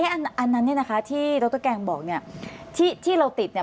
อันนั้นเนี่ยนะคะที่โต๊ะแกงบอกที่เราติดเนี่ย